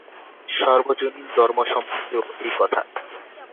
সর্বজনীন ধর্ম সম্বন্ধেও এই কথা।